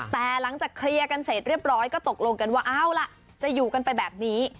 แต่หลังจากเคลียร์กันเสร็จเรียบร้อยก็ตกลงกันว่าเอาล่ะจะอยู่กันไปแบบนี้